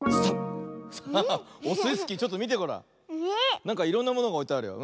なんかいろんなものがおいてあるよ。